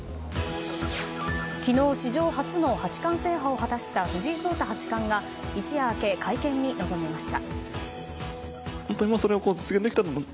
昨日、史上初の八冠制覇を果たした藤井聡太八冠が一夜明け、会見に臨みました。